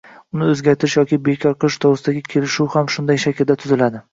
uni o‘zgartirish yoki bekor qilish to‘g‘risidagi kelishuv ham shunday shaklda tuziladi